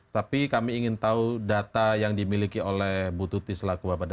tapi kami ingin tahu data yang dimiliki oleh bu tuti selaku